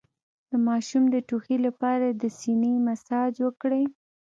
د ماشوم د ټوخي لپاره د سینه مساج وکړئ